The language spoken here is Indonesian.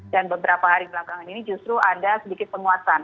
dan beberapa hari belakangan ini justru ada sedikit penguasaan